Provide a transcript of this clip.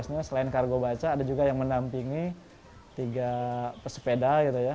selain kargo baca ada juga yang menampingi tiga pesepeda